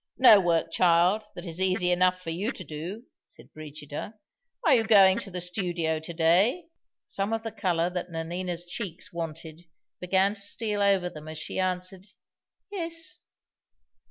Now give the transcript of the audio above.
"No work, child, that is easy enough for you to do," said Brigida. "Are you going to the studio to day?" Some of the color that Nanina's cheeks wanted began to steal over them as she answered "Yes."